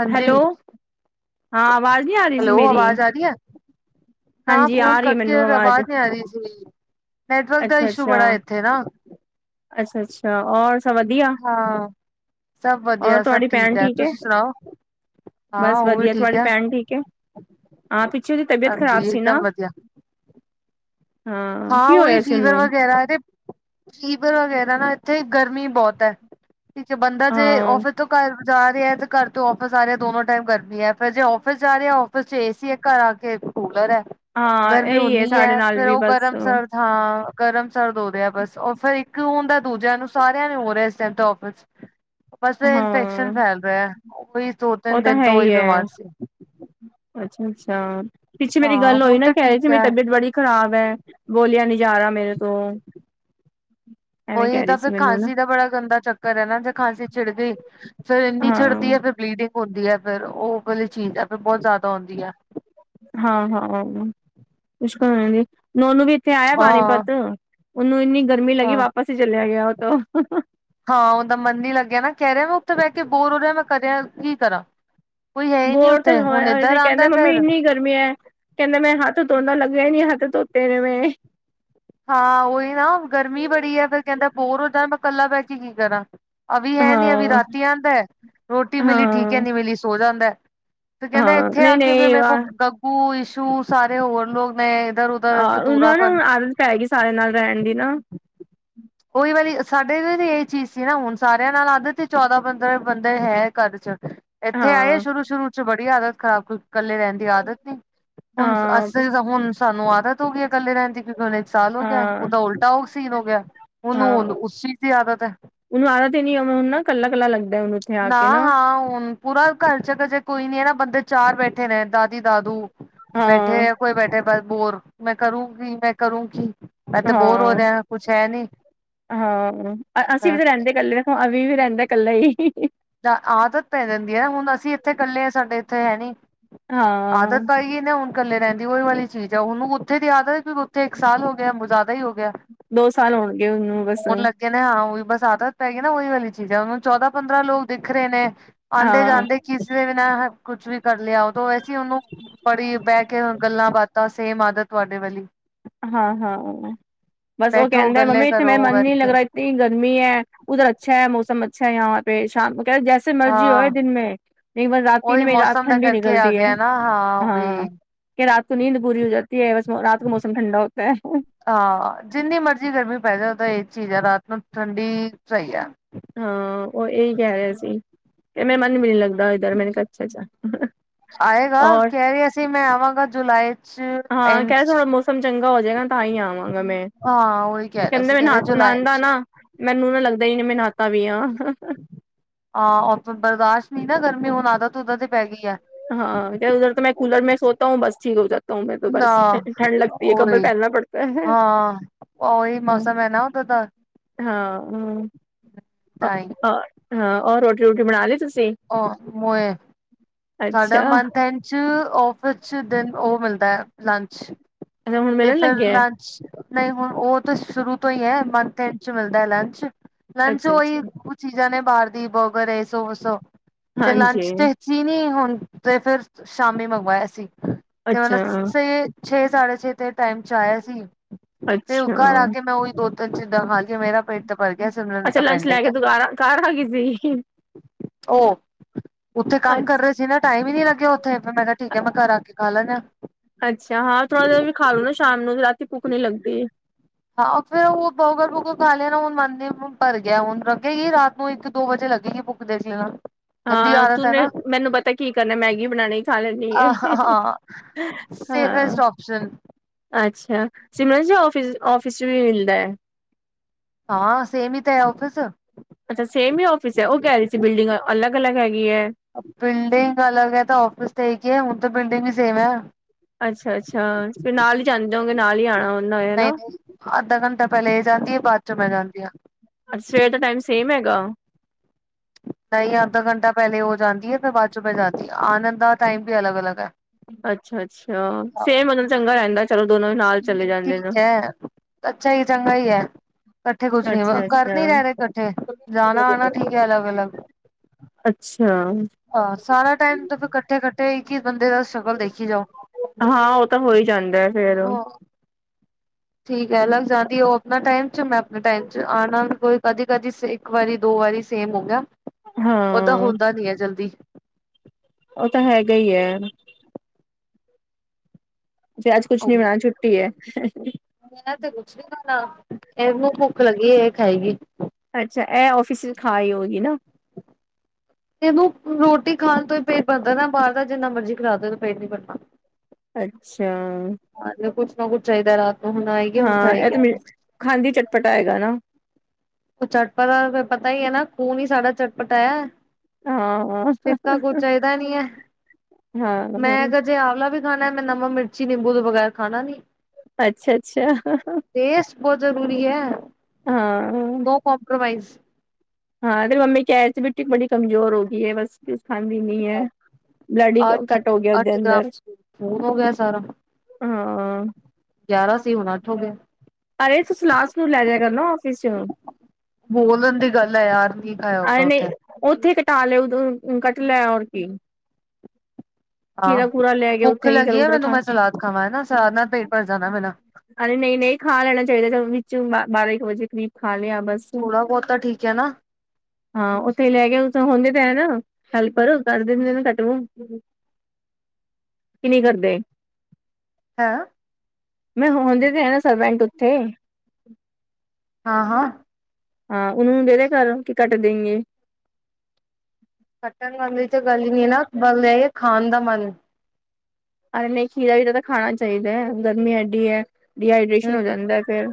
ਹਾਂਜੀ, ਹੈਲੋ ਹਾਂ ਆਵਾਜ਼ ਨਹੀਂ ਆ ਰਹੀ ਸੀ ਹੈਲੋ ਮੇਰੀ ਅਵਾਜ਼ ਆ ਰਹੀ ਐ? ਨਾ ਹਾਂਜੀ ਫੋਨ ਆ ਰਹੀ ਕਟ ਮੈਨੂੰ ਗਿਆ, ਆਵਾਜ਼ ਅਵਾਜ਼ ਨਹੀਂ ਆ ਰਹੀ ਸੀ। ਨੈਟਵਰਕ ਦਾ ਇਸ਼ੂ ਬੜਾ ਇੱਥੇ ਨਾ। ਅੱਛਾ-ਅੱਛਾ, ਔਰ ਸਭ ਵਧੀਆ, ਹਾਂ ਸਭ ਔਰ ਵਧੀਆ ਸਭ ਤੁਹਾਡੀ ਭੈਣ ਹੈ ਠੀਕ ਏ। ਤੁਸੀਂ ਸੁਣਾਓ ਹਾਂ ਬਸ ਉਹ ਵੀ ਵਧੀਆ, ਠੀਕ ਤੁਹਾਡੀ ਹੈ ਭੈਣ ਠੀਕ ਐ? ਆ, ਪਿੱਛੇ ਉਹਦੀ ਤਬੀਅਤ ਖ਼ਰਾਬ ਹਾਂਜੀ ਸੀ ਇਕਦਮ ਨਾ? ਵਧੀਆ ਹਾਂ, ਕੀ ਉਹੀ ਹੋਇਆ ਸੀ ਫੀਵਰ ਉਹਨੂੰ ਵਗੈਰਾ ਤੇ ਫੀਵਰ ਵਗੈਰਾ ਨਾ ਇੱਥੇ ਗਰਮੀ ਬਹੁਤ ਐ, ਠੀਕ ਐ ਬੰਦਾ ਜੇ ਹਾਂ ਓਫਿਸ ਤੋਂ ਘਰ ਜਾ ਰਿਹਾ, ਤੇ ਘਰ ਤੋਂ ਔਫਸ ਆ ਰਿਹਾ ਦੋਨੋ ਟਾਈਮ ਗਰਮੀ ਐ, ਜੇ ਔ ਫਿਸ ਜਾ ਰਿਆ, ਔਫਿਸ'ਚ ਏਸੀ ਏ, ਘਰ ਆਕੇ ਕੂਲਰ ਐ। ਹਾਂ, ਗਰਮੀ ਇਹੀ ਏ ਓਨੀ ਸਾਡੇ ਨਾਲ ਫੇਰ ਵੀ ਉਹ ਬਸ। ਗਰਮ ਸਰਦ ਹਾਂ, ਗਰਮ-ਸਰਦ ਹੋ ਰਿਆ ਬਸ, ਓ ਫਿਰ ਇੱਕ ਹੁੰਦਾ ਦੂਜਿਆਂ ਨੂੰ ਸਾਰਿਆਂ ਨੂੰ ਹੋ ਰਿਹਾ ਇਸ ਟਾਈਮ ਤੇ ਔਫਸ। ਹ [inaudible] ਬਸ ਫੇਰ ਇਨਫੈਕਸ਼ਨ ਫੈਲ ਰਿਹਾ, ਉਹੀ ਦੋ-ਤਿੰਨ ਦਿਨ ਤੋਂ ਉਹੀ ਬਿਮਾਰ ਸੀ। ਅੱਛਾ-ਅੱਛਾ, ਪਿੱਛੇ ਮੇਰੀ ਹਾਂ ਗੱਲ ਹੋਈ ਹੁਣ ਨਾ ਤਾਂ ਕਹਿ ਰਹੇ ਸੀ ਠੀਕ ਮੇਰੀ ਹੈ ਤਬੀਅਤ ਬੜੀ ਖ਼ਰਾਬ ਐ, ਬੋਲਿਆ ਨੀ ਜਾਰਾ ਮੇਰੇ ਤੋਂ। ਐਵੇਂ ਉਹੀ ਕਹਿ ਰਹੀ ਤਾਂ ਫਿਰ ਸੀ ਮੈਨੂੰ ਨਾ ਖਾਂਸੀ ਦਾ ਬੜਾ ਗੰਦਾ ਚੱਕਰ ਐ ਨਾ, ਜੇ ਖਾਂਸੀ ਛਿੜ ਗਈ, ਫੇਰ ਇੰਨੀ ਹਾਂ ਛਿੜਦੀ ਐ ਫਿਰ ਬਲੀਡਿੰਗ ਹੁੰਦੀ ਹੈ ਫਿਰ, ਉਹ ਵਾਲੀ ਚੀਜ਼ ਹੈ ਫਿਰ ਬਹੁਤ ਜ਼ਿਆਦਾ ਹੁੰਦੀ ਐ। ਹਾਂ-ਹਾਂ, ਮੁਸ਼ਕਲ ਹੋ ਜਾਂਦੀ, ਮੈਂ ਓਹਨੂੰ ਵੀ ਇਥੇ ਆਇਆ ਹਾਂ ਪਾਣੀਪਤ, ਉਹਨੂੰ ਇੰਨੀ ਗਰਮੀ ਲੱਗੀ ਹਾਂ ਵਾਪਸ ਹੀ ਚਲਿਆ ਗਿਆ ਉਹ ਤੋ। ਹਾਂ, ਉਹਦਾ ਮਨ ਨੀ ਲੱਗਿਆ ਨਾ ਕਹਿ ਰਿਆ ''ਮੈਂ ਉੱਥੇ ਬਹਿਕੇ ਬੋਰ ਹੋ ਰਿਆ ਮੈਂ ਕਰਿਆ ਕੀ ਕਰਾਂ। ਕੋਈ ਹੈ ਹੀ ਨੀ ਬੋਰ ਤੇ ਉੱਥੇ ਹੁਣ ਹੋਇਆ ਹੋਇਆ ਇੱਧਰ ਸੀ, ਕਹਿੰਦਾ ਆਉਂਦਾ ਮੰਮੀ ਫੇਰ ਇੰਨੀ ਗਰ ਕਹਿੰਦਾ ''ਮੈਂ ਹੱਥ ਧੋਂਦਾ ਲੱਗਿਆ ਈ ਨੀ, ਹੱਥ ਧੋਤੇ ਨੇ ਮੈਂ। ਹਾਂ, ਉਹੀ ਨਾ ਗਰਮੀ ਬੜੀ ਆ ਫੇਰ ਕਹਿੰਦਾ ਬੋਰ ਹੋੰਦਾ ਮੈਂ ਕੱਲਾ ਬਹਿਕੇ ਕੀ ਕਰਾਂ। ਅਵੀ ਹੈਨੀ, ਅਵੀ ਹਾਂ ਰਾਤੀ ਆਂਦਾ, ਰੋਟੀ ਮਿਲੀ ਠੀਕ ਐ, ਹਾਂ ਨੀ ਮਿਲੀ ਸੋ ਜਾਂਦੈ। ਤੇ ਕਹਿੰਦਾ ਹਾਂ ਇੱਥੇ ਨਹੀਂ ਆਕੇ, ਵੀ ਨਹੀਂ ਮੇਰੇ ਕੋਲ ਵਾਹ ਗੱਗੂ, ਇਸ਼ੂ ਸਾਰੇ ਹੋਰ ਲੋਕ ਨੇ ਇੱਧਰ ਉ ਆਹ ਉਹਨੂੰ ਨਾ ਹੁਣ ਆਦਤ ਪੈ ਗਈ, ਸਾਰਿਆ ਨਾਲ ਰਹਿਣ ਦੀ ਨਾ। ਉਹੀ ਵਾਰੀ ਸਾਡੇ ਇਹੀ ਚੀਜ਼ ਸੀ ਨਾ, ਹੁਣ ਸਾਰਿਆਂ ਨਾਲ ਆਦਤ ਤੇ, ਚੌਦਾਂ-ਪੰਦਰਾਂ ਬੰਦੇ ਹੈ ਘਚ'ਚ। ਇੱਥੇ ਆਏ ਹਾਂ ਸ਼ੁਰੂ-ਸ਼ੁਰੂ 'ਚ ਬੜੀ ਆਦਤ ਖਰਾਬ, ਕੱਲੇ ਰਹਿਣ ਦੀ ਆਦਤ ਨੀ। ਹੁਣ ਹਾਂ ਅਸੀਂ ਤਾਂ ਹੁਣ ਸਾਨੂੰ ਆਦਤ ਹੋ ਗਈ ਹੈ, ਕੱਲੇ ਰਹਿਣ ਦੀ ਕਿਉਂਕਿ ਹੁਣ ਇੱਕ ਸਾਲ ਹੋਗਿਆ, ਉਹ ਹਾਂ ਤਾਂ ਉਲ ਨਾ ਉਹ ਸੀਨ ਹੋਗਿਆ, ਉਹਨੂੰ ਹਾਂ ਹੁਨ ਉਸ ਚੀਜ਼ ਦੀ ਆਦਤ ਐ। ਉਹਨੂੰ ਆਦਤ ਹੀ ਨੀ ਆ, ਹੁਣ ਕੱਲਾ-ਕੱਲਾ ਲੱਗਦਾ ਉਹਨੂੰ। ਉੱਥੇ ਆ ਨਾ, ਕੇ ਹਾਂ, ਹੁਣ, ਪੂਰਾ ਘਰ'ਚ ਕਜੇ ਕੋਈ ਨੀ ਹੈ ਨਾ ਬੰਦੇ ਚਾਰ ਬੈਠੇ ਨੇ ਦਾਦੀ-ਦਾਦੂ। ਹਾਂ ਬੈਠੇ, ਕੋਈ ਬੈਠੇ ਬਸ ਬੋਰ ''ਮੈਂ ਕਰੂੰਗੀ, ਮੈਂ ਕਰੂੰਗੀ। ਮੈਂ ਤੇ ਬੋਰ ਹੋ ਹਾਂ, ਰਿਹਾ ਕੁਛ ਹੈ ਨੀ ਹਾਂ, ਅਸੀਂ ਵੀ ਤਾਂ ਰਹਿੰਦੇ ਕੱਲੇ। ਅਵੀ ਵੀ ਰਹਿੰਦਾ ਇਕੱਲਾ ਹੀ ਆਦਤ ਪੈ ਜਾਂਦੀ ਹੈ ਹੁਣ ਅਸੀਂ ਇੱਥੇ ਇਕੱਲੇ ਹਾਂ ਸਾਡੇ ਇੱਥੇ ਹੈਨੀ ਹਾਂ, ਆਦਤ ਪਾਈਏ ਹੁਣ ਇਕੱਲੇ ਰਹਿੰਦੀ ਉਹੀ ਵਾਲੀ ਚੀਜ਼ ਹੈ ਉਹਨੂੰ ਉੱਥੇ ਦੀ ਆਦਤ ਹੈ ਉੱਥੇ ਇੱਕ ਸਾਲ ਹੋ ਗਿਆ ਜ਼ਿਆਦਾ ਹੀ ਹੋ ਗਿਆ। ਦੋ ਸਾਲ ਹੋਣਗੇ ਏ ਉਹਨੂੰ ਬਸ ਹੋਣ ਲੱਗੇ ਨੇ ਹਾਂ ਉਹੀ ਬਸ ਆਦਤ ਪੈ ਗਈ ਨਾ ਉਹੀ ਵਾਲੀ ਚੀਜ਼ ਹੈ ਉਹਨੂੰ ਚੌਦਾਂ ਪੰਦਰਾਂ ਲੋਕ ਦਿਖ ਰਹੇ ਨੇ ਆਉਂਦੇ ਹਾਂ, ਜਾਂਦੇ ਕਿਸੇ ਨੇ ਵੀ ਨਾ ਕੁੱਛ ਵੀ ਕਰ ਲਿਆ ਉਦੋਂ ਅਸੀਂ ਉਹਨੂੰ ਪੜੀ ਬਹਿ ਕੇ ਗੱਲਾਂ ਬਾਤਾਂ ਸੇਮ ਆਦਤ ਤੁਹਾਡੇ ਵਾਲੀ। ਹਾਂ, ਹਾਂ ਬਸ ਉਹ ਬੈਠੋ ਕਹਿੰਦੇ ਗੱਲੇ ਮੰਮੀ ਇੱਥੇ ਕਰੋ ਮੇਰਾ ਮਨ ਬੈਠ ਨੀ ਕੇ ਲੱਗਦਾ ਇਤਨੀ ਗਰਮੀ ਹੈ, ਉਧਰ ਅੱਛਾ ਹੈ ਮੌਸਮ ਅੱਛਾ ਹੈ। ਸ਼ਾਮ ਕਹਿ ਜੈਸੇ ਮਰਜ਼ੀ ਹੋਏ ਹਾਂ ਦਿਨ ਮੇ ਪਰ ਰਾਤੀ ਉਹੀ ਮੇਰੀ ਰਾਤ ਮੌਸਮ ਦਾ ਠੰਡੀ ਕਰਕੇ ਆ ਨਿਕਲਦੀ ਹੈ। ਗਿਆ ਨਾ ਉਹੀ ਹਾਂ ਕਿ ਰਾਤ ਕੋ ਨੀਂਦ ਪੂਰੀ ਹੋ ਜਾਤੀ ਹੈ, ਬਸ ਰਾਤ ਕੋ ਮੌਸਮ ਠੰਡਾ ਹੋਤਾ ਹੈ। ਹਾਂ ਜਿੰਨੀ ਮਰਜ਼ੀ ਗਰਮੀ ਪੈ ਜਾਵੇ ਤਾਂ ਇਹ ਚੀਜ਼ ਆ ਰਾਤ ਨੂੰ ਠੰਡੀ ਸਹੀ ਹੈ। ਹਾਂ ਉਹ ਇਹੀ ਕਹਿ ਰਿਹਾ ਸੀ, ਕਿ ਮੈਂ ਮਨ ਵੀ ਨੀ ਲੱਗਦਾ ਇਧਰ ਮੈਨੂੰ [unintelligible] ਚ ਆਏਗਾ ਕਹਿ ਰਹੇ ਸੀ, ਮੈਂ ਆਵਾਂਗਾ ਜੁਲਾਈ ਚ ਹਾਂ, ਕਹਿ ਐਂਡ ਰਿਹਾ ਚ ਥੋੜਾ ਮੌਸਮ ਚੰਗਾ ਹੋ ਜਾਏਗਾ, ਤਾਂ ਹੀ ਆਵਾਂਗਾ ਮੈਂ ਹਾਂ ਉਹੀ ਕਹਿ ਰਿਹਾ ਕਹਿੰਦੇ ਸੀ ਮੈਂ ਕਹਿ ਰਹੇ ਨਾ ਜੁਲਾਈ ਚ ਨਾ ਮੈਨੂੰ ਨਾ ਲੱਗਦਾ ਹੀ ਨਈਂ ਮੈਂ ਨਾਹਾਤਾ ਵੀ ਆ। ਹਾਂ ਉਥੋਂ ਬਰਦਾਸ਼ਤ ਨਹੀਂ ਕਰਨੇ ਹੁਣ ਆਧਤ ਉਦਰ ਦੀ ਪੈ ਗਈ ਹੈ। ਹਾਂ ਉਧਰ ਮੈਂ ਕੂਲਰੈਂ ਸੋਤਾ ਹੂੰ ਬਸ ਠੀਕ ਹੋ ਜਾ ਨਾ ਉਹੀ ਹਾਂ ਉਹੀ ਮੌਸਮ ਹੈ ਨਾ। [unintelligible] ਹਾਂ ਹੂੰ ਤਾਂਹੀ ਹਾਂ ਹੋਰ ਰੋਟੀ ਰੂਟੀ ਬਣਾ ਲਈ ਤੁਸੀਂ? ਓਹ ਮੋਏ ਸਾਡਾ ਅੱਛਾ ਮਣ ਦਿਨ ਚ ਔਫ਼ੀਸ ਚ ਦਿਨ ਉਹ ਮਿਲਦਾ ਹੈ ਲੰਚ ਅੱਛਾ ਹੁਣ ਤੇ ਮਿਲਣ ਫਿਰ ਲੱਗਿਆ ਲੰਚ ਨਹੀਂ ਹੁਣ ਉਹ ਤਾਂ ਸ਼ੁਰੂ ਤੋਂ ਹੀ ਹੈ, ਮੰਥ ਐਂਡ ਚ ਮਿਲਦਾ ਹੈ ਲੰਚ, ਲੰਚ ਅੱਛਾ ਅੱਛਾ ਉਹੀ ਚੀਜ਼ਾਂ ਨੇ ਬਾਹਰ ਦੀ ਬਰਗਰ ਏ [unintelligible] ਤੇ ਹਾਂਜੀ ਲੰਚ ਤੇ ਚੀਨੀ ਹੁਣ ਤੇ ਫਿਰ ਸ਼ਾਮੀ ਮੰਗਵਾਇਆ ਸੀ। ਤੇ ਮਤਲਬ ਅੱਛਾ ਸਹੀ ਛੇ ਸਾਢੇ ਛੇ ਤੇ ਟਾਈਮ ਚ ਆਇਆ ਸੀ। ਤੇ ਅੱਛਾ ਘਰ ਆ ਕੇ ਮੈਂ ਉਹੀ ਦੋ ਤਿੰਨ ਚੀਜ਼ਾਂ ਖਾ ਲਈ ਮੇਰਾ ਪੇਟ ਤਾਂ ਭਰ ਗਿਆ ਸਿਮਰਨ ਅੱਛਾ ਤਾਂ ਲੰਚ ਲੈ ਪੈਂਡਿੰਗ ਕੇ ਏ ਤੂੰ ਘਰ ਘਰ ਆ ਗਈ ਸੀ। ਉਹ ਉੱਥੇ ਕੰਮ ਕਰ ਅੱਛਾ ਰਹੇ ਸੀ ਨਾ ਟਾਈਮ ਹੀ ਨੀ ਲੱਗਿਆ ਉਥੇ ਮੈਂ ਕਿਹਾ ਠੀਕ ਮੈਂ ਘਰ ਆ ਕੇ ਖਾ ਲੈਣਾ। ਅੱਛਾ ਹਾਂ ਥੋੜਾ ਦੇਰ ਵੀ ਖਾਲੋ ਨਾ ਸ਼ਾਮ ਨੂੰ ਰਾਤੀ ਭੁੱਖ ਨੀ ਲੱਗਦੀ। ਹਾਂ ਫਿਰ ਉਹ ਬਰਗਰ ਬੁਰਗਰ ਖਾ ਲਿਆ ਨਾ ਹੁਣ ਮੰਨ ਭਰ ਗਿਆ ਹੁਣ ਲੱਗੇਗੀ ਰਾਤ ਨੂੰ ਇੱਕ ਦੋ ਵਜੇ ਲੱਗੇਗੀ ਭੂਖ ਉਹ ਦੇਖ ਲੈਣਾ। ਗੰਦੀ ਹਾਂ ਆਦਤ ਹੈ ਤੂੰਨੇ ਨਾ ਮੈਨੂੰ ਪਤਾ ਕੀ ਕਰਨਾ ਮੈਗੀ ਬਣਾਣੀ। ਖਾ ਲੈਂਦੀ ਏ ਹਾਂ ਸੇਫਸਟ ਹਾਂ। ਆਪਸ਼ਨ ਅੱਛਾ ਸਿਮਰਨ ਜਾਓ ਔਫਿਸ, ਔਫਿਸ 'ਚ ਵੀ ਮਿਲਦਾ ਹੈ। ਹਾਂ ਸੇਮ ਹੀ ਤਾਂ ਹੈ ਔਫਿਸ। ਅੱਛਾ ਸੇਮ ਹੀ ਆਫਿਸ ਹੈ ਉਹ ਕਹਿ ਰਹੀ ਸੀ, ਬਿਲਡਿੰਗ ਅਲੱਗ, ਅਲੱਗ ਹੈਗੀ ਹੈ। ਬਿਲਡਿੰਗ ਅਲਗ ਹੈ, ਤਾਂ ਔਫਿਸ ਤੇ ਕੀ ਹੀ ਹੈ ਹੁਣ ਤਾਂ ਬਿਲਡਿੰਗ ਵੀ ਸੇਮ ਹੈ। ਅੱਛਾ, ਅੱਛਾ ਫਿਰ ਨਾਲ ਹੀ ਜਾਂਦੇ ਹੋਗੇ ਨਾਲ ਹੀ ਆਉਣਾ। ਨਹੀਂ, ਨਹੀਂ ਅੱਧਾ ਘੰਟਾ ਪਹਿਲੇ ਇਹ ਜਾਂਦੀ ਹੈ, ਬਾਅਦ ਚੋਂ ਮੈਂ ਜਾਂਦੀ ਹਾਂ। ਸਵੇਰ ਦਾ ਟਾਈਮ ਸੇਮ ਹੈਗਾ। ਨਹੀਂ ਅੱਧਾ ਘੰਟਾ ਪਹਿਲੇ ਹੋ ਜਾਂਦੀ ਹੈ, ਫੇਰ ਬਾਅਦ ਚੋਂ ਬਹਿ ਜਾਦੀ ਆਣ ਦਾ ਟਾਈਮ ਵੀ ਅਲੱਗ, ਅਲੱਗ ਹੈ। ਅੱਛਾ, ਅੱਛਾ ਸੇਮ ਹੋ ਜਾਦਾਂ ਚੰਗਾ ਰਹਿੰਦਾ। ਚਲੋ ਦੋਨੋਂ ਹੀ ਨਾਲ ਚਲੇ ਨਹੀਂ ਜਾਂਦੇ ਨੇ, ਠੀਕ ਹੈ, ਅੱਛਾ ਹੀ ਚੰਗਾ ਹੀ ਹੈ। ਇਕੱਠੇ ਕੁਛ ਨੀ ਘਰ ਨੀ ਅੱਛਾ-ਅੱਛਾ। ਰਹਿ ਰਹੇ ਇਕੱਠੇ ਅੱਛਾ, ਜਾਣਾ ਆਉਣਾ ਠੀਕ ਹੈ ਅਲੱਗ, ਅਲੱਗ ਅੱਛਾ। ਆਹ ਸਾਰਾ ਟਾਈਮ ਤਾਂ ਫਿਰ ਇਕੱਠੇ, ਇਕੱਠੇ ਕਿ ਬੰਦੇ ਦਾ ਸਟਰਗਲ ਦੇਖੀ ਜਾਓ। ਹਾਂ ਉਹ ਤਾਂ ਹੋ ਹੀ ਜਾਂਦਾ ਹੈ ਫੇਰ ਠੀਕ ਹੈ, ਅਲੱਗ ਜਾਣ ਉਹ ਆਪਣਾ ਟਾਈਮ ਚ ਮੈਂ ਆਪਣੇ ਟਾਈਮ ਚ ਆਣਾ ਕੋਈ ਕਦੀ, ਕਦੀ ਇੱਕ ਵਾਰੀ ਦੋ ਵਾਰੀ ਸੇਮ ਹੋ ਗਿਆ। ਉਹਦਾ ਹਾਂ, ਹੁੰਦਾ ਨੀ ਹੈ ਜਲਦੀ। ਉਹ ਤਾਂ ਹੈਗਾ ਹੀ ਹੈ। ਅੱਛਾ ਅੱਜ ਕੁਛ ਨੀ ਬਣਾਣਾ ਛੁੱਟੀ ਹੈ। ਮੈਂ ਤੇ ਕੁਛ ਨੀ ਖਾਣਾ ਇਹਨੂੰ ਭੁੱਖ ਲੱਗੀ ਇਹ ਖਾਏਗੀ ਅੱਛਾ ਇਹ ਔਫਿਸ ਚ ਖਾਈ ਹੋਏਗੀ ਨਾ ਇਹਨੂੰ ਰੋਟੀ ਖਾਣ ਤੋਂ ਹੀ ਪੇਟ ਭਰਦਾ ਨਾ ਬਾਹਰ ਦਾ ਜਿੰਨਾ ਮਰਜ਼ੀ ਖਿਲਾਦੋ ਪੇਟ ਨੀ ਭਰਦਾ ਅੱਛਾ ਹਾਂ ਕੁਛ ਨਾ ਕੁੱਛ ਚਾਹੀਦਾ ਰਾਤ ਨੂੰ ਹੁਣ ਆਏਗੀ ਹੁਣ ਹਾਂ ਇਹ ਖਾਏਗੀ। ਤੇ ਮ ਉਹ ਖਾਂਦੀ ਚਟਪਟਾ ਹੈਗਾ ਨਾ ਉਹ ਚਟਪਟ ਦਾ ਪਤਾ ਹੀ ਹੈ ਨਾ ਖੂਨ ਹੀ ਸਾਡਾ ਚਟਪਟਾ ਹੈ ਹਾਂ ਫਿੱਰ ਤਾਂ ਕੁਛ ਚਾਹੀਦਾ ਨੀ ਹੈ ਮੈਂ ਹਾਂ ਗ ਜੇ ਆਵਲਾ ਵੀ ਖਾਣਾ ਮੈਂ ਨਮਕ ਮਿਰਚੀ ਨਿੰਬੂ ਤੋਂ ਬਗੈਰ ਖਾਣਾ ਨੀ ਅੱਛਾ ਅੱਛਾ ਟੇਸਟ ਬਹੁਤ ਜ਼ਰੂਰੀ ਹੈ ਹਾਂ ਨੋ ਕੋੰਪ੍ਰੋਮਾਈਜ਼ ਹਾਂ ਤੇਰਿ ਮੰਮੀ ਕਹ ਰਹੀ ਸੀ ਵਿੱਟੀ ਬੜੀ ਕਮਜ਼ੋਰ ਹੋ ਗਈ ਹੈ ਬਸ ਕੁਛ ਖਾਂਦੀ ਨੀ ਹੈ ਬਲਡ ਹੀ ਅੱਠ ਘੱਟ ਹੋ ਗਿਆ ਇਦੇ ਅੱਠ ਗ੍ਰਾਮ ਅੰਦਰ ਖੂਨ ਹੋ ਗਿਆ ਸਾਰਾ ਹਾਂ ਗਿਆਰਾਂ ਸੀ ਹੁਣ ਅੱਠ ਹੋ ਗਿਆ ਅਰੇ ਤੁ ਸਲਾਸ ਨੂੰ ਲੈ ਜਾ ਕਰ ਨਾ ਆਫਿਸ ਚ। ਬੋਲਣ ਦੀ ਗੱਲ ਹੈ ਯਾਰ ਨਹੀਂ ਖਾਇਆ ਜਾਂਦਾ ਅਰੇ ਉੱਥੇ ਕਟਾ ਲਿਆ ਕੱਟ ਲਿਆ ਔਰ ਕੀ ਹਾਂ ਖੀਰਾ ਖੂਰਾ ਲੈ ਕੇ ਭੁੱਖ ਉੱਥੇ ਹੀ ਇੱਧਰ ਲੱਗੀ ਹੈ ਉਧਰ ਮੈਨੂੰ ਖਾ ਮੈਂ ਸਲਾਦ ਖਾਣਾ ਹੈ ਨਾ ਸਲਾਦ ਨਾਲ ਪੇਟ ਭਰ ਜਾਣਾ ਮੇਰਾ ਹਾਂ ਨਹੀਂ ਨਹੀਂ ਖਾ ਲੈਣਾ ਚਾਹੀਦਾ ਵਿੱਚ ਬਾਰਾਂ ਇੱਕ ਵਜੇ ਕਰੀਬ ਖਾ ਲਿਆ ਬਸ ਥੋੜਾ ਬਹੁਤ ਤਾਂ ਠੀਕ ਹੈ ਨਾ ਹਾਂ ਉੱਥੇ ਲੈ ਕੇ ਹੁੰਦੇ ਤੇ ਹੈ ਨਾ ਹੈਲਪਰ ਕਰਦੇ ਹੁੰਦੇ ਨੇ ਘੱਟ ਹੂਨ ਕਿ ਨਹੀਂ ਕਰਦੇ [unintelligible] ਮੈਂ ਹੁੰਦੇ ਤੇ ਹੈ ਨਾ ਸਰਵੈਂਟ ਉੱਥੇ ਹਾਂ ਹਾਂ ਹਾਂ ਉਹਨ ਨੂੰ ਦੇ ਦੇ ਕਰ ਕੀ ਕੱਟ ਦੇਈਏ ਕੱਟਣ ਵਾਲੇ ਚ ਗੱਲ ਨਈ ਨਾ ਗੱਲ ਇਹ ਹੈ ਖਾਣ ਦਾ ਮਨ ਅਰੇ ਨਹੀਂ ਖੀਰਾ ਵੀਜ਼ਾਦਾ ਤਾਂ ਖਾਣਾ ਨਈ ਚਾਹੀਦਾ ਹੈ ਗਰਮੀ ਐਡੀ ਹੈ ਡੀਹਾਈਡ੍ਰੇਸ਼ਨ ਹਮ ਹੋ ਜਾਂਦਾ ਫੇਰ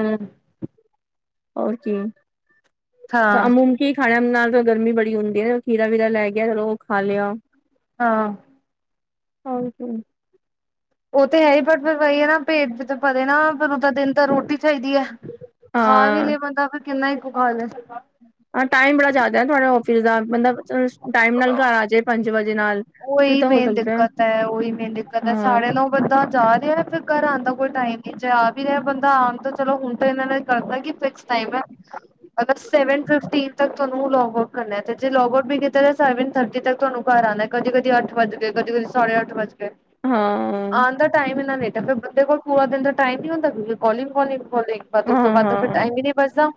ਹਮ ਹੋ ਕੀ ਤਾਂ ਹਾਂ ਅਮੁ ਕੀ ਖਾਣ ਨਾਲ ਗਰਮੀ ਬੜੀ ਹੁੰਦੀ ਹੈ ਖੀਰਾ ਵੀਰਾ ਲੈ ਗਿਆ ਚਲੋ ਉਹ ਖਾ ਲਿਆ ਹਾਂ ਹੋਰ ਕੀ। ਉਹ ਤੇ ਹੈ ਹੀ ਬਸ ਫਿਰ ਵੋਹੀ ਹੈ ਨਾ। ਪੇਟ ਤਾਂ ਭਰੇ ਨਾ ਫਿਰ ਉਦਾ ਦਿਨ ਤਾਂ ਰੋਟੀ ਚਾਹੀਦੀ ਐ। ਖਾ ਵੀ ਹਾਂ ਲਏ ਬੰਦਾ ਫਿਰ ਕਿੰਨਾ ਕੂ ਖਾਲੇ। ਹਾਂ ਟਾਈਮ ਬੜਾ ਜ਼ਿਆਦਾ ਤੁਹਾਡੇ ਆਫਿਸ ਦਾ ਮਤਲਬ, ਟਾਈਮ ਨਾਲ ਘਰ ਆ ਜੇ ਪੰਜ ਵਜੇ ਨਾਲ। ਫਿਰ ਉਈ ਤਾਂ ਹੋ ਮੇਨ ਸਕਦਾ ਹੈ। ਦਿੱਕਤ ਐ, ਉਈ ਮੇਨ ਦਿੱਕਤ ਐ, ਹਾਂ ਸਾਰਿਆਂ ਨੂੰ ਬੰਦਾ ਜਾ ਰਿਹਾ ਨਾ ਫਿਰ ਘਰ ਆਉਣ ਦਾ ਕੋਈ ਟਾਈਮ ਨੀ ਜੇ ਆ ਵੀ ਰਿਹਾ ਬੰਦਾ ਆਉਣ ਤੋਂ ਚਲੋ ਹੁਣ ਤਾਂ ਇਹਨਾਂ ਨੇ ਕਰਦਾ ਕੀ ਫਿਕਸ ਟਾਈਮ ਐ। [inaudible] ਅਗਰ ਸੈਵਨ ਫਿਫਟੀਨ ਤ ਤੁਹਾਨੂੰ ਲੋਗ ਆਊਟ ਕਰਨਾ ਤੇ ਜੇ ਲੋਗ ਆਊਟ ਵੀ ਕੀਤਾ ਸੈਵਨ ਥਰਟੀ ਤੱਕ ਤੁਹਾਨੂੰ ਘਰ ਆਉਣਾ। ਕਦੀ- ਕਦੀ ਅੱਠ ਵੱਜ ਗਏ, ਕਦੀ -ਕਦੀ ਸਾਡੇ ਅੱਠ ਵੱਜ ਗਏ, ਹਾਂ ਆਉਣ ਦਾ ਟਾਈਮ ਇਨਾ ਲੇਟ ਹੈ ਫਿਰ ਉਹਦੇ ਕੋਲ ਪੂਰਾ ਦਿਨ ਦਾ ਟਾਈਮ ਨੀ ਹੁੰਦਾ ਕਿਉਂਕਿ ਕੋਲਿੰਗ- ਕੋਲਿੰਗ ਕਾਲਿੰਗ ਉਸ ਤੋਂ ਹਾਂ ਬਾਅਦ ਦਾ ਫਿਰ ਹਾਂ ਟਾਈਮ ਹੀ ਨੀ ਬਚਦਾ,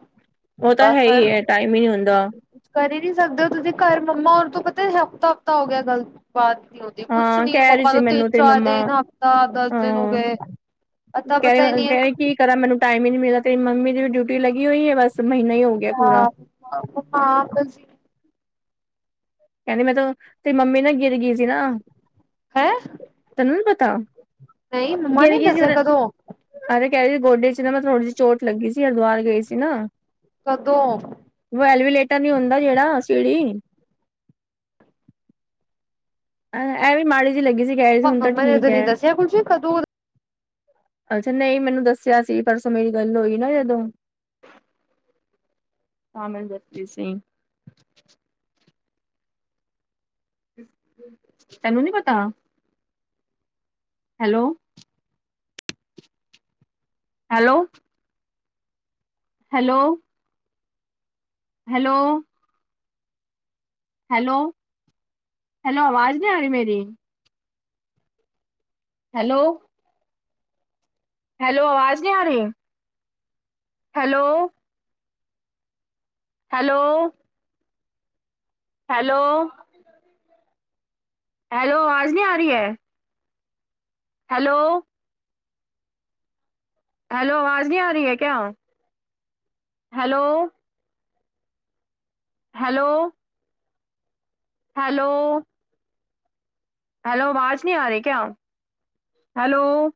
ਉਹ ਤਾਂ ਬਸ ਹੈ ਫਿਰ ਹੀ ਹੈ ਟਾਈਮ ਹੀ ਨਹੀਂ ਹੁੰਦਾ ਕੁਛ ਕਰੀ ਨੀ ਸਕਦੇ ਹੋ ਤੁਸੀਂ ਘਰ ਮੰਮਾ ਹੋਰ ਤੋਂ ਪਤਾ ਹਫ਼ਤਾ -ਹਫ਼ਤਾ ਹੋ ਗਿਆ ਗਲ ਬਾਤ ਕ ਕੇ ਕੁਛ ਹਾਂ ਨੀ ਕਹਿ ਰਹੀ ਮੰਮਾ ਸੀ ਕੋ ਮੈਨੂੰ ਤਿੰਨ- ਤੇਰੀ ਚਾਰ ਮੰਮਾ ਦਿਨ ਹਫ਼ਤਾ -ਦਸ ਦਿਨ ਹੋ ਹਾਂ ਗਏ। ਅਤਾ ਕਹਿ ਪਤਾ ਹੀ ਨਹੀਂ ਰੇ ਕੀ ਕਰਾਂ ਮੈਨੂੰ ਟਾਈਮ ਹੀ ਨੀ ਮਿਲਦਾ ਤੇਰੀ ਮੰਮੀ ਦੀ ਡਿਊਟੀ ਲੱਗੀ ਹੋਈ ਹੈ ਬਸ ਮਹੀਨਾ ਹੀ ਹੋ ਗਿਆ ਪੂਰਾ ਹਾਂ, ਹਾਂ ਗਈ ਸੀ। ਕਹਿੰਦੀ ਮੈਂਨੂੰ ਤੇਰੀ ਮੰਮੀ ਨਾ ਗਿੱਰ ਗਈ ਸੀ ਨਾ। ਹੈਂ ਤੈਨੂੰ ਨਹੀਂ ਪਤਾ, ਨਹੀਂ ਮੰਮਾ ਨੇ ਗੀਰਗੀ ਸੀ ਉ ਦੱਸਿਆ ਕਦੋਂ ਅਰੈ ਕਹਿ ਰ ਸੀ ਗੋਡੇ ਚ' ਨਾ ਮੈਂ ਥੋੜੀ ਜਿਹੀ ਚੋਟ ਲੱਗੀ ਸੀ ਹਰੀਦੁਵਾਰ ਗਏ ਸੀ ਨਾ। ਕੱਦੋਂ? ਵੋ ਐਲਵੀਲੇਟਰ ਨੀ ਹੁੰਦਾ ਜਿਹੜਾ ਸੀੜੀ। ਏਹ ਵੀ ਮਾੜੀ ਜਿਹੀ ਲੱਗੀ ਸੀ ਕਹਿ ਰਹੀ ਸੀ ਹੁਣ ਤਾਂ ਮੰਮਾ ਨੇ ਠੀਕ ਨਹੀਂ ਐ। ਦੱਸਿਆ ਕੁੱਝ ਕਦੋਂ ਅੱਛਾ ਨਹੀਂ ਮੈਨੂੰ ਦੱਸਿਆ ਸੀ ਪਰਸੋਂ ਮੇਰੀ ਗੱਲ ਹੋਈ ਨਾ ਜਦੋਂ ਹਾਂ ਮੈਨੂੰ ਦਸ ਰਹੀ ਸੀ। ਤੈਨੂੰ ਨੀ ਪਤਾ, hello hello hello hello hello, hello ਆਵਾਜ਼ ਨਹੀਂ ਆ ਰਹੀ ਮੇਰੀ? ਹੈਲੋ। ਹੈਲੋ ਆਵਾਜ਼ ਨਹੀਂ ਆ ਰਹੀ, ਹੈਲੋ ਹੈਲੋ ਹੈਲੋ [inaudible] ਹੈਲੋ ਆਵਾਜ ਨਹੀਂ ਆ ਰੀਐ? ਹੈਲੋ ਹੈਲੋ ਆਵਾਜ਼ ਨੀ ਆ ਰਹੀ ਹੈ ਕਿਆ? ਹੈਲੋ ਹੈਲੋ ਹੈਲੋ ਹੈਲੋ ਆਵਾਜ਼ ਨ ਆ ਰਹੀ ਕਿਆ? ਹੈਲੋ